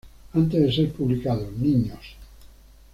Antes de ser publicado "¡Niños!